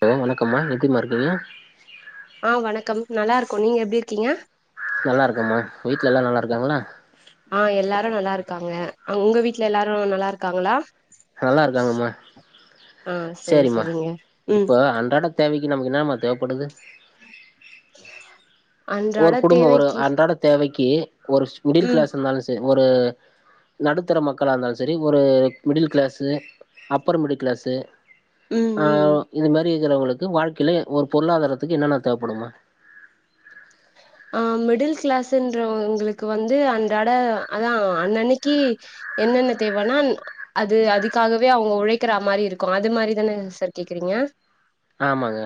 Hello வணக்கம்மா எப்டிமா இருக்கீங்க ஆ வணக்கம் நல்லா இருக்கோ நீங்க எப்டி இருக்கீங்க நல்லாருக்கம்மா வீட்ல எல்லா நல்லா இருக்காங்ளா ஆ எல்லாரு நல்லா இருக்காங்க அங் உங்க வீட்ல எல்லாரு நல்லா இருக்காங்ளா நல்லா இருக்காங்கம்மா ஆ செரி செரிம்மா செரிங்க ம் இப்ப அன்றாட தேவைக்கி நமக்கு இன்னாமா தேவப்படுது ஓர் அன்றாட குடும்போ ஒரு தேவைக்கு அன்றாட தேவைக்கி ஒரு மிடில் ம் கிளாஸ் இருந்தாலு செரி ஒரு நடுத்தர மக்களா இருந்தாலு செரி ஒரு middle class upper middle class ம் ஆ ம் ம். இது மாரி இருக்கிறவங்களுக்கு வாழ்க்கையில ஒரு பொருளாதாரத்துக்கு என்னன்னா தேவைப்படுமா [inaudible] ஆ மிடில் கிளாஸ்ன்றவங்களுக்கு வந்து அன்றாட அதா அன்னன்னைக்கி என்னன்ன தேவன்னா அது அதுக்காகவே அவுங்க உழைக்கிறா மாரி இருக்கு அது மாரிதானே சார் கேக்குறீங்க ஆமாங்க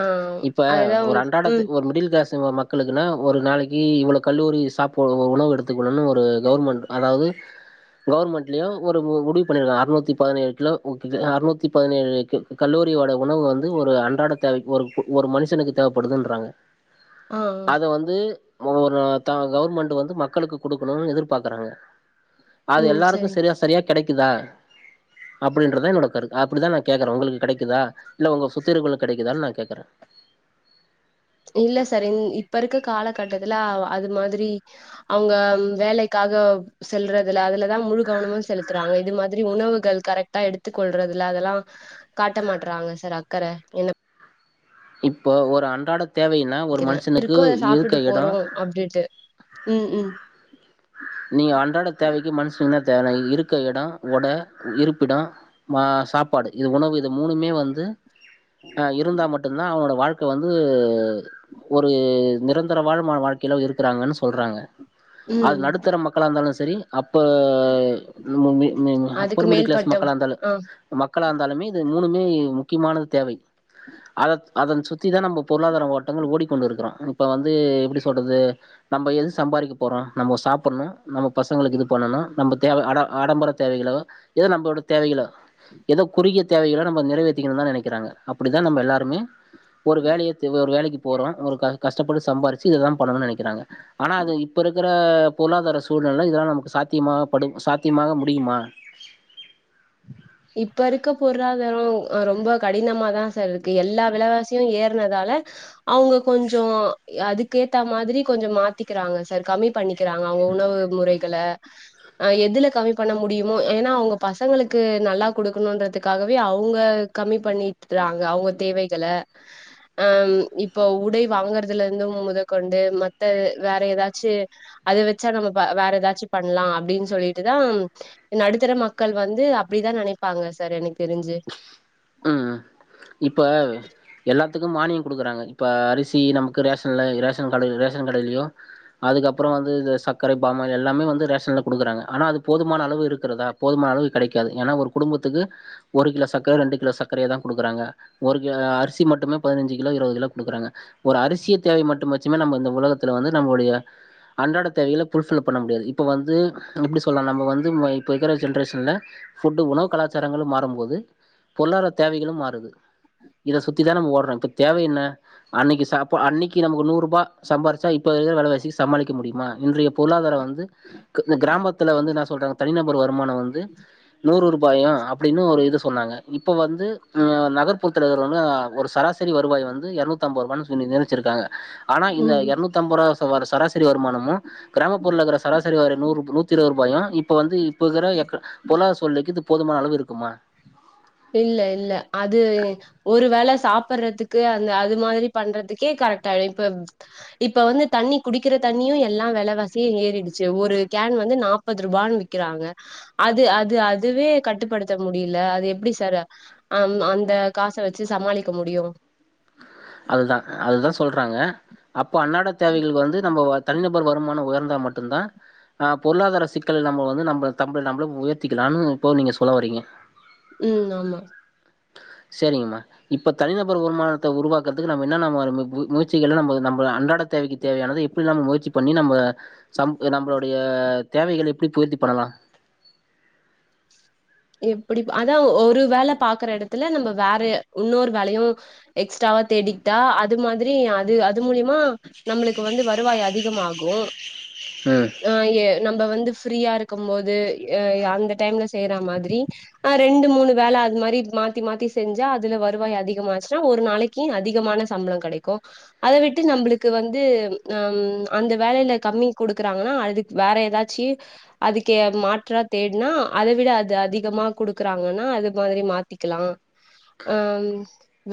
ஆ இப்ப அதுதா ஒரு அன்றாடத்து ம் ஒரு மிடில் கிளாஸ் மக்களுக்குன ஒரு நாளைக்கி இவ்ள கல்லூரி சாப்பு ஒரு உணவு எடுத்துக்கணும்னு ஒரு கவர்மெண்ட் அதாவது கவர்மெண்ட்லியு ஒரு முடிவு பண்ணிருக்கங்க அறுநூத்தி பதினேழு கிலோ [unintelligible] அறுநூத்தி பதினேழு கி கல்லோரி ஓட உணவு வந்து ஒரு அன்றாட தேவைக் ஒரு ஒரு மனுஷனுக்கு தேவைப்படுதுன்றாங்க ஆ அத வந் து [unintelligible] கவர்மெண்ட் வந்து மக்களுக்கு குடுக்கணுன்னு எதிர்பாக்றாங்க அது ம் எல்லாருக்கு சரி செரியா செரியாக் கெடைக்குதா அப்டின்றதா என்னோட கரு அப்டித்தா நா கேக்குறே உங்களுக்கு கெடைக்குதா இல்ல உங்க சுத்தி இருக்ள்கு கெடைக்குதா நா கேக்குறே இல்ல சார் இப்ப இருக்க காலகட்டத்துல அது மாதிரி அவுங்க வேலைக்காக செல்றதுல அதுலதா முழு கவனமு செலுத்துறாங்க இது மாதிரி உணவுகள் கரெக்ட்டா எடுத்துக் கொள்றதுல அதெல்லா காட்ட மாட்றாங்க சார் அக்கற என்ன இப்போ ஒரு அன்றாட தேவைன்னா ஒரு மனுஷனுக்கு இருக்க எடோ அப்டேட்டு ம் ம் நீங்க அன்றாட தேவைக்கி மனுஷனுக்கு என்னா தேவை இருக்க எடோ ஒட இருப்பிடோ மா சாப்பாடு இது உணவு இது மூணுமே வந்து ஆ இருந்தா மட்டுந்தா அவனோட வாழ் க்க வந்து ஒரு நிரந்தரமான்மான வாழ் கிலோ இருக்கிறாங்கன்னு சொல்றாங்க ம் அது நடுத்தர மக்களா இருந்தாலு சரி அப்ப மி மி மி அதுக்கு அப்பர் மிடில் கிளாஸ் மேல்பட்ட மக்களா இருந்தாலு ஆ மக்களா இருந்தாலுமே இது மூணுமே முக்கியமானது தேவை அத அதன் சுத்திதா நம்போ பொருளாதார ஓட்டங்கள் ஓடிக்கொண்டு இருக்கிறோ இப்ப வந்து எப்டி சொல்றது நம்ப எதுக்கு சம்பாதிக்க போறோ நம்போ சாப் புட்ன்னு நம்ப பசங்களுக்கு இது பண்ணணு நம்ப தேவ ஆட ஆடம்பர தேவைகளோ ஏதோ நம்பளோட தேவைகளோ ஏதோ குறுகிய தேவைகளோ நம்ப நிறைவேத்திக்கணுன் தா நெனைக்கிறாங்க அப்புடிதா நம்ப எல்லாருமே ஒரு வேலைய தே ஒரு வேலைக்கி போறோ ஒரு க கஷ்டப்பட்டு சம்பாரிச்சி இதுதா பண்ணணோ நெனைக்கிறாங்க ஆனா அது இப்ப இருக்கற பொருளாதார சூழ்நெல இதெல்லா நமக்கு சாத்தியமாக படு சாத்தியமாக முடியுமா இப்ப இருக்க பொருளாதாரோ அ ரொம்ப கடினமாதா சார் இருக்கு எல்லா விலவாசியு ஏறனதால அவுங்க கொஞ்சோ அதுக்கேத்த மாதிரி கொஞ்சோ மாத்தி க்கிறாங்க சார் கம்மி பண்ணிக்கிறாங்க அவுங்க உணவு முறைகள அ எதுல கம்மி பண்ண முடியுமோ ஏன்னா அவுங்க பசங்களுக்கு நல்லா குடுக்கணுன்றதுக்காகவே அவுங்க கம்மி பண்ணிட்டுறாங்க அவுங்க தேவைகள அ இப்போ உடை வாங்குறதுலருந்து முதற்கொண்டு மத்த வேற ஏதாச்சு அது வெச்சா நம்ம பா வேற ஏதாச்சு பண்லா அப்டின்னு சொல்லிட்டுதா நடுத்தர மக்கள் வந்து அப்டிதா நெனைப்பாங்க சார் எனக்கு தெரிஞ்சு ம் இப்ப எல்லாத்துக்கு மானியோ குடுக்குறாங்க இப்ப அரிசி நமக்கு ரேஷன்ல ரேஷன் கடை ரேஷன் கடையிலயோ அதுக்கப்புறோ வந்து இந்த சர்க்கர பாமாயில் எல்லாமே வந்து ரேஷன்ல குடுக்குறாங்க ஆனா அது போதுமான அளவு இருக்கிறதா போதுமான அளவு கெடைக்காது ஏனா ஒரு குடும்பத்துக்கு ஒரு கிலோ சக்கர ரெண்டு கிலோ சக்கரைய தா குடுக்கறாங்க ஒரு கி அரிசி மட்டுமே பதினஞ்சு கிலோ இருவது கிலோ குடுக்குறாங்க ஒரு அரிசிய தேவை மட்டு வெச்சுமே நம்ம இந்த ஒலகத்துல வந்து நம்மளுடைய அன்றாட தேவைகல ஃபுல்ஃபில் பண்ண முடியாது இப்போ வந்து இப்டி சொல்லலா நம்ம வந்து இப்போ இருக்கிற ஜென்ரேஷன்ல ஃபுட்டு உணவு கலாச்சாரங்களு மாறும்போது பொருளாதார தேவைகளு மாறுது இத சுத்திதா நம்மோ ஓடுறோ இப்ப தேவை என்ன அன்னிக்கி சாப் அன்னிக்கி நமக்கு நூறுபா சம்பாரிச்சா இப்ப இருக்குற வெலவாசிக்கி சமாளிக்க முடியுமா இன்றைய பொருளாதாரோ வந்து க்கு இந்த கிராமத்துல வந்து அன்னா சொல்றாங்க தனிநபர் வருமானோ வந்து நூறு ரூபாயோ அப்டின்னு ஒரு இது சொன்னாங்க இப்போ வந்து அ நகர்புறத்துல இருக்குறவங்களு ஒரு சராசரி வருவாய் வந்து எரநூத்தம்பது ரூபா நிதணிச்சிருக்காங்க ஆனா இந்த ம் எரநூத்தி அம்பரூபா வர சராசரி வருமானமு கிராமப்புறக்கல்ல சராசரி சரி வர நூறு நூத்தி இருவது ரூபாயு இப்ப வந்து இப்போக்கிற எக் பொருளாதார சூல்நெலைக்கு இது போதுமான அளவு இருக்குமா இல்ல இல்ல அது ஒரு வேள சாப் சப்பறதுக்கு அந்த அது மாரி பண்றதுக்கே கரெக்ட்டாயிடு இப்ப இப்ப வந்து தண்ணி குடிக்கிற தண்ணியு எல்லா வெலவாசியு ஏறிடுச்சு ஒரு கேன் வந்து நாப் பது ரூபானு விக்கிறாங்க அது அது அதுவே கட்டுப்படுத்த முடியல அது எப்டி தற ஆம் அந்த காச வச்சு சமாளிக்க முடியு அதுதா அதுதா சொல்றாங்க அப்போ அன்னாட தேவைகள் வந்து நம்ம தனிநபர் வருமானோ உயர்ந்தா மட்டுந்தா அ பொருளாதார சிக்கல் நம்ம வந்து நம்மள தம்புல நம்மள உயர்த்திக்கலான்னு இப்போ நீங்க சொல்ல வறீங்க ம் ஆமா சேரிங்கமா இப்ப தனிநபர் வருமானத்த உருவாக் க்குவதற்கு நம்ப என்னான்னா மாரி மு மு முயற்சிகள் நம்ப நம்ப அன்றாட தேவைக்கு தேவையானது எப்டி நாம்ம முயற்சி பண்ணி நம்ப சம் நம்பளுோடைய தேவைகள்ள எப்டி பூர்த்தி பண்ணலா எப்டி பா அதா ஒரு வேல பாக்குற எடத்துல நம்ம வேற இன்னொரு வேலயு எக்ஸ்ட்ராவா தேடிகிட்டா அது மாதிரி அது அது மூலியமா நம்மளுக்கு வந்து வருவாய் அதிகமாகு ம் ஆ எ நம்ம வந்து ஃப்ரீயா இருக்கும் போது ஏ அந்த டைம்ல செய்யற மாதிரி அ ரெண்டு மூணு வேல அது மாரி மாத்தி மாத்தி செஞ்சா அதுல வருவாய் அதிகமாச்சுனா ஒரு நாளைக் க்கி அதிகமான சம்பளம் கெடைக்கு அத விட்டு நம்மளுக்கு வந்து ம் அந்த வேலயில கம்மி குடுக்குறாங்கன்னா அதுக் வேற ஏதாச்சி அதுக்கு மாற்றா தேட்னா அத விட அது அதிக அதிகமா குடுக்குறாங்கன்னா அது மாரி மாத்திக்கலா ம்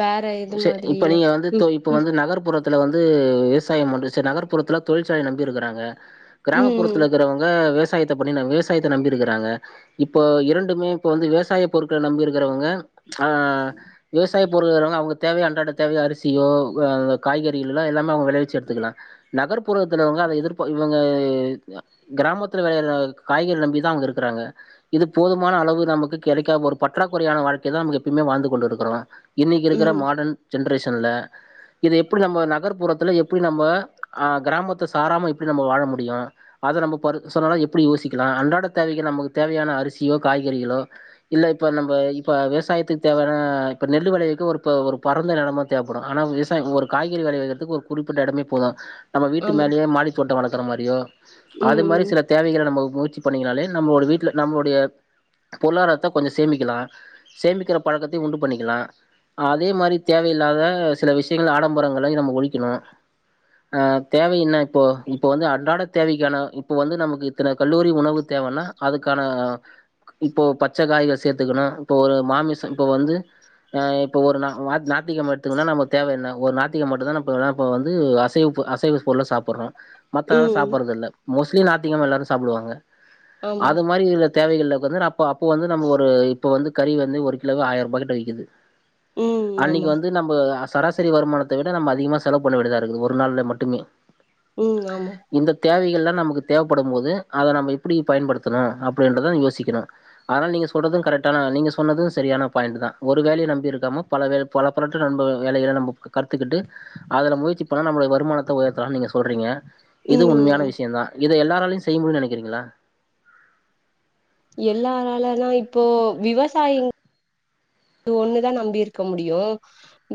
வேற எது செரி இப்ப மாதிரினா நீங்க வந்து ம் தோழி இப்ப வந்து நகர்ப்புறத் துல வந்து விவசாயம் ஒன்று செரி நகர்ப்புறத்துல தொழிற்சாலைய நம்பி இருக்குறாங்க ம் கிராமப்புறத்துலருக்கிறவங்க விவசாயத் பண்ணி விவசாயத்த நம்பி இருக்கிறாங்க இப்போ இரண்டுமே இப்ப வந்து விவசாய பொருட்கள நம்பி இருக்குறவங்க ஆ விவசாய பொருள் இருக்குறவங்க அவங்க தேவை அன்றாட தேவை அரிசியோ அந்த காய்கறிகள்லா எல்லாமே அவ்ங்க வெளைவிச்சு எடுத்துக்கலா நகர்ப்புறத்துலவங்க அத எதிர்ப இவ்ங்க கிராமத்துல வெளையற காய்கறி நம்பிதா அவங்க இருக்குறாங்க இது போதுமான அளவு நமக்கு கிடைக்காம ஒரு பற்றாக்குறையான வாழ்க்கை தா நமக்கு எப்பயுமே வாழ்ந்து கொண்டு இருக்குறோ இன்னைக்கு இருக்குற ம் மாடன் ஜென்ரேஷன்ல இத எப்டி நம்ம நகர்ப்புறத்துல எப்டி நம்ம அ கிராமத்த சாராம எப்டி நம்ம வாழ முடியு அத நம்ம இப்ப [unintelligible] சொன்னாலு எப்டி யோசிக்கலா அன்றாட தேவைக்கு நமக்கு தேவையான அரிசியோ காய்கறிகளோ இல்ல இப்ப நம்ம இப்ப விவசாயத்துக்கு தேவையான இப்ப நெல்ல விளைவுக்கு ஒருப்ப ஒரு பரந்த நெலமா தேவப்படு ஆனா விவசாயோ ஒரு காய்கறி வெலைய வைக்கிறதுக்கு ஒரு குறிப்பிட்ட எடமே போது நம்ம ம் ம் வீட்டு ஆமா மேலயே மாடி தோட்டோ வளக்குற மாரியோ அது ம் மாரி ம் சில தேவைகள நம்ம முயற்சி பண்ணீங்கனாலே நம்ளோட வீட்ல நம்முடைய பொருளாதாரத்த கொஞ்ச சேமிக்கலா சேமிக்கிற பழக்கத்தையு உண்டு பண்ணிக்கலா அதே மாரி தேவையில்லாத சில விஷயங்கள் ஆடம்பரங்களை நம்ம ஒழிக்கணு ஆ தேவ என்ன இப்போ இப்ப வந்து அன்றாட தேவைக்கான இப்போ வந்து நமக்கு க்கிற கல்லூரி உணவு தேவன்னா அதுக்கான இப்போ பச்ச காய்க சேத்துக்கணு இப்போ ஒரு மாமிச இப்போ வந்து இப்போ ஒரு [unintelligible] ஞாயித்துகிழம எடுத்துக்கன்னா நம்ம தேவ என்ன ஒரு ஞாயித்துகிழம மட்டு தா நம்ம இப்ப வந்து அசைவ் பொ அசைவ பொருள சாப்புட்றோ மத்த நாள் ம் சாப்புட்றது இல்ல மோஸ்ட்லி நாத்திகிலமா எல்லாரு சாப்டுவாங்க ஆமா அது மாரி இதுல தேவைகல்ளுக்கு வந்து அப்ப அப்போ வந்து நம்ம ஒரு இப்போ வந்து கறி வந்து ஒரு கிலோக்கு ஆயிரரூபாய கிட்ட விக்குது ம் அன்னைக்கு ஆமா வந்து நம்ம சராசரி வருமானத்த விட நம்ம அதிகமா செலவு பண்ண வேண்டியுதா இருக்குது ஒரு நாள்ல மட்டுமே ம் ஆமா இந்த தேவைகல்லா நமக்கு தேவைப்படும் போது அத நம்ம எப்படி பயன்படுத்தணு அப்டின்றதா யோசிக்கணு அதனா நீங்க சொல்றது கரெக்டான நீங்க சொன்னது சரியான பாயிண்ட் தா ஒரு வேலைய நம்பி இருக்காம பல வே பல பறட்டு நண்ப வேலைகள நம்ம கத்துக்கிட்டு அதல முயற்சி பண்ணனா நம்முடைய வருமானத்த உயர்த்தலா நீங்க சொல்றீங்க இது ம் உண்மையான ஆமா விஷயோ தா இத எல்லாராலயு செய்ய முடியுனு நெனைக்கிறீங்களா எல்லாராலனா இப்போ விவசாயிங் அது ஒன்னுதா நம்பி இருக்க முடியு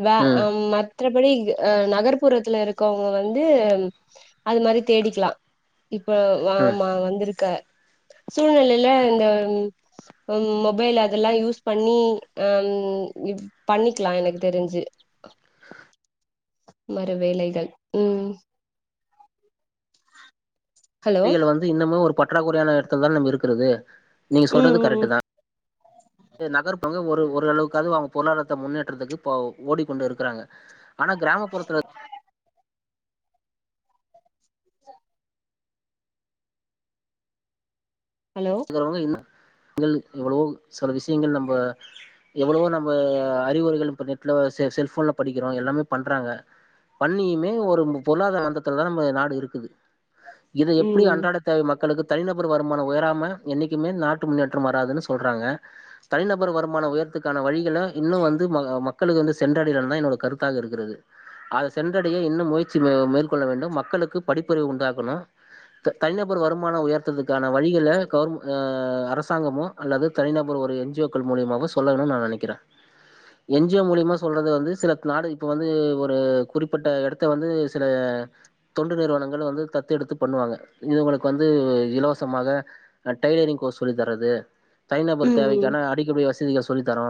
வே அ ம் மத் மற்றபடி அ நகர்ப்புறத்துல இருக்கவங்க வந்து அது மாரி தேடிக்கலா இப்ப வ ஆமா வந்திருக்க சூழ்நிலையில இந்த உங் மொபைல் அதெல்லா யூஸ் பண்ணி உம் பண்ணிக்கலா எனக் தெரிஞ்சு ஒரு வேலைகள் ம் ஹலோ பி எல் வந்து இன்னமு ஒரு பற்றாக்குறையான இடத்துலதான இருக்கிறது நீங்க ம் சொல்றது ம் கரெக்ட் ம். தா ஆ நகர்ப்புங்க ஒரு ஓரளவுக்காவது அவங்க பொருளாதாரத்த முன்னேற்றத்துக்கு ஓடிக்கொண்டு இருக்கிறாங்க ஆனா கிராமப்புறத்தல ஹலோ போக இன்னு [unintelligible] எவ்ளோ சில விஷயங்கள் நம்ப எவ்ளோவோ நம்ம அறிகுரைகள் இப்ப நெட்ல செல்போன்ல படிக்கிறோ எல்லாமே பண்றாங்க பண்ணியுமே ஒரு பொருளாதார மந்தத்துல தா நம்ம நாடு இருக்குது இத ம் எப்டி ம் அன்றாட தேவ மக்களுக்கு தனிநபர் வருமான உயராம என்னைக்குமே நாட்டு முன்னேற்ற வராதுனு சொல்றாங்க தனிநபர் வருமான உயரத்துக்கான வழிகள இன்னு வந்து மக்களுக்கு வந்து சென்றடயலனு தா என்னோட கருத்தாக இருக்கிறது அது சென்றடைய இன்னு முயற்சி மேற்கொள்ள வேண்டு மக்களுக்கு படிப்பறிவு உண்டாக்கணு தனிநபர் வருமான உயர்த்துறத்துக்கான வழிகள கவர் அரசாங்கமோ அல்லது தனிநபர் ஒரு என் ஜி ஓ க்கள் மூலமாவோ சொல்லனுனு நா நெனைக்கறே என் ஜி ஓ மூலியமா சொல்றது வந்து சில நாடு இப்ப வந்து ஒரு குறிப்பிட்ட இடத்த வந்து சில தொண்டு நிறுவனங்கள் வந்து தத்தெடுத்து பண்ணுவாங்க இவங்களுக்கு வந்து இலவசமாக டெய்லரிங் கோர்ஸ் சொல்லி தரது தனிநபர் ம் ம். தேவைக்கான அடிப்படை வசதிகள் சொல்லி தரோ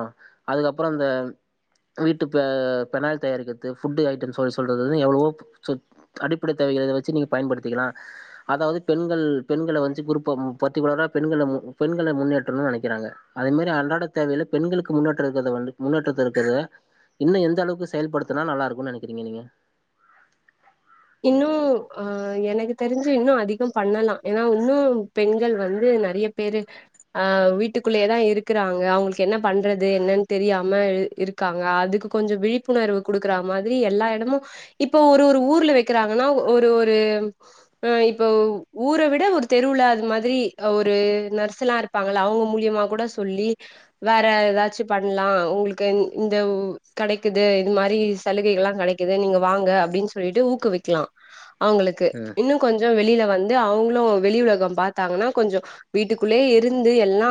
அதுக்கப்புற அந்த வீட்டு பெனாயில் தயாரிக்கிறது ஃபுட்டு ஐட்டம் சொல்ல சொல்றது எவ்ளவோ சொ அடிப்பட தேவைகள வச்சி நீங்க பயன்படுத்திக்கலா அதாவது பெண்கள் பெண்கள வஞ்சி குறுப்ப பற்றிகுலரா பெண்கள பெண்கள முன்னேற்றணும்னு நெனைக்கிறாங்க அதே மாரி அன்றாட தேவைகல பெண்களுக்கு முன்னேற்ற இருக்கத வந்து முன்னேற்ற இருக்கிது இன்னு எந்த அளவுக்கு செயல்படுத்துனா நல்லா இருக்குனு நெனைக்கிறீங்க நீங்க இன்னு ஆ எனக்கு தெரிஞ்சி இன்னு அதிக பண்ணலா ஏன்னா இன்னு பெண்கள் வந்து நெறய பெரு அ வீட்டுக்குள்ளயேதா இருக்கறாங்க அவங்களுக்கு என்ன பண்றது என்னனு தெரியாம இருக்காங்க அதுக்கு கொஞ்ச விழிப்புணர்வு குடுக்கற மாதிரி எல்லா இடமு இப்ப ஒரு ஒரு ஊர்ல வைக் இருக்கிறாங்கனா ஒரு ஒரு ஆ இப்ப ஊர விட ஒரு தெருவுல அது மாதிரி ஒரு நர்சலா இருப் விப்பாங்கள அவங்க மூலியமா கூட சொல்லி வேற ஏதாச்சு பண்லா உங்ளுக்கு இந்த கடைக்குது இது மாரிஸ் சலுகைகல்லா கடைக்குது நீங்க வாங்க அப்டினு சொல்லிட்டு ஊக்குவிக்கலா அவங்ளுக்கு ம் இன்னு கொஞ்ச வெளில வந்து அவங்ளு வெளி உலக பாத்தாங்கனா கொஞ்ச வீட்டுக்குள்ளே இருந்து எல்லா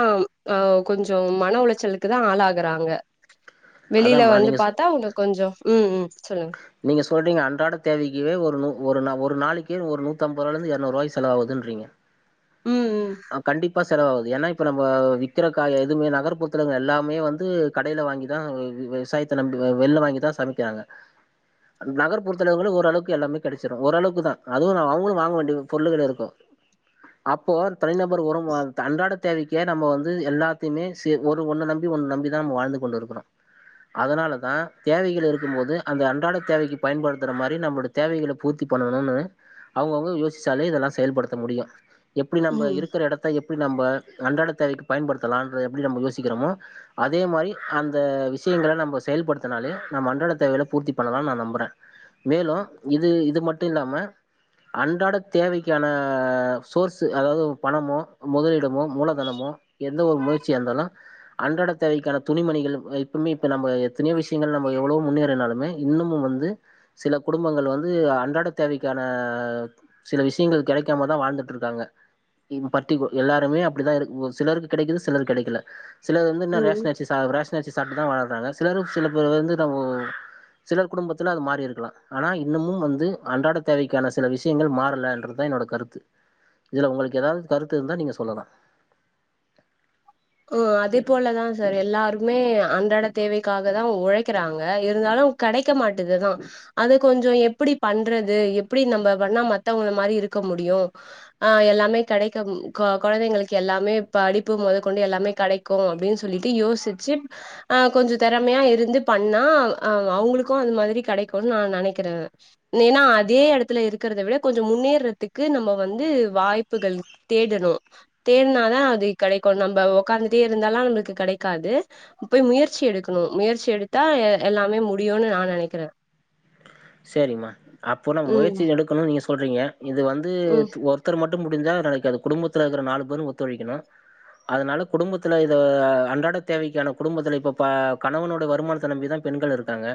அ கொஞ்சோ மன உளைச்சலுக்கு தா ஆளாகறாங்க வெளில அதாம்மா வந்து நீங்க பாத்தா இன்னு கொஞ்ச ம் ம் சொல்லுங் நீங்க சொல்றீங்க அன்றாட தேவைக்கு ஒரு நூ ஒரு ஒரு நாளைக்கே ஒரு நூத்தம்பது ரூவாலருந்து இரநூறுவா செலவாகுதுனு சொல்றிங்க ம் ம் கண்டிப்பா செலவாகுது ஏனா இப்ப நம்ம விக்கிற காய எதுவுமே நகர்புறத்துல எல்லாமே வந்து கடைல வாங்கிதா விவசாயத்த நம்பி வெளில வாங்கிதா சமைக்கிறாங்க நகர்புறத்ளவங்களு ஓரளவுக்கு எல்லாமே கிடைச்சிரு ஓரளவுக்கு தா அது அவங்களு வாங்க வேண்டிய பொருள் கிடையாது இப்ப அப்போ ஒரு தனிநபர் ஒரு அ த அன்றாட தேவைக்கே நம்ம வந்து எல்லாத்தயுமே சே ஒரு ஒண்ண நம்பி ஒண்ண நம்பிதா நம்ம வாழ்ந்து கொண்டு இருக்கிறோ அதனாலதா தேவைகள் இருக்கும்போது அந்த அன்றாட தேவைக்கு பயன்படுத்துற மாரி நம்ப்ளோட தேவைகள பூர்த்தி பண்ணணுன்னு அவுங்கவுங்க யோசிச்சாலே இதெல்லா செயல்படுத்த முடியு எப்படி ம் நம்ப ம் இருக்கிற எடத் த எப்படி நம்ம அன்றாட தேவைக்கு பயன்படுத்தலான்ற எப்படி நம்ம யோசிக்கிறமோ அதே மாரி அந்த விஷியங்கள நம்ம செயல்படுத்தனாலே நம்ம அன்றட தேவைகள பூர்த்தி பண்ணலான் நா நம்புறே மேலு இது இது மட்டு இல்லாம அன்றாட தேவைக்கான சோர்ஸு அதாவது பணமோ முதலிடமோ மூலதனமோ எந்த ஒரு முயற்சிய இருந்தாலு அன்றாட தேவைக்கான துணிமணிகள் அ இப்புமே இப்ப நம்ப எத்தனியோ விஷ்யங்கள் நம்ம எவ்வளோ முன்னேறுனாலுமே இன்னமும் வந்து சில குடும்பங்கள் வந்து அன்றாட தேவைக்கான சில விஷயங்கள் கெடைக்காமதா வாழ்ந்துட்ருக்காங்க இம் பர்டிகு எல்லாருமே அப்படிதா இரு ஒரு சிலருக்கு கெடைக்கிது சிலருக்கு கெடைக்கல சிலர் வந்து இன்னு ம் ரேஷ்னரிசி சாப்புறே ரேஷ்னரிசி சாப்ட்டுதா வாழ்றாங்க சிலரு சில பேரு வந்து நம்போ சிலர் குடும்பத்தில அது மாறி இருக்கலா ஆனா இன்னமும் வந்து அன்றாட தேவைக்கான சில விஷியங்கள் மாறலன்றதா என்னோட கருத்து இதுல உங்களுக்கு எதாவது கருத்து இருந்தா நீங்க சொல்லலா அ அதே போலதா சார் எல்லாருமே அன்றாட தேவைக்காகதா உழைக்கிறாங்க இருந்தாலு கெடைக்க மாட்டுதுதா அத கொஞ்சோ எப்படி பண்றது எப்படி நம்ம பண்ணா மத்தவங்க மாரி இருக்க முடியு அ எல்லாமே கெடைக்கும் கு குழந்தைங்களுக்கு எல்லாமே படிப்பு மொத கொண்டு எல்லாமே கடைக்கு அப்டின் சொல்லிட்டு யோசிச்சு ஆ கொஞ்சோ திறமையா இருந்து பண்ணா அ அவுங்களுக்கு அந்த மாதிரி கடைக்குன் நான நனைக்கிறே ஏனா அதே எடத்துல இருக்கிறதவிட கொஞ்சோ முன்னேறதுக்கு நம்ம வந்து வாய்ப்புகள் தேடணு தேட்னாதா அது கெடைக்கு நம்ப உக்காந்துட்டே இருந்தாலா நம்ப்ளுக்கு கெடைக்காது போய் முயற்சி எடுக்கணு முயற்சி எடுத்தா எ எல்லாமே முடியுனு நா நெனைக்கிறே சரிம்மா அப்போ நா ம் முயற்சி எடுக்கணு நீங்க சொல்றீங்க இது வந்து ம் த் ஒரு த்தர் மட்டு முடிஞ்சா நடக்காது அது குடும்பத்துல இருக்கிற நாலு பேரு ஒத்துழைக்கிணு அதனால குடும்பத்தில இத அன்றாட தேவைக்கான குடும்பத்தில இப்போ ப கணவனோட வருமானத்த நம்பி தா பெண்கள் இருக்காங்க